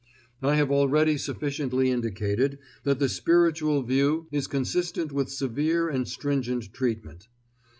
I have already sufficiently indicated that the spiritual view is consistent with severe and stringent treatment.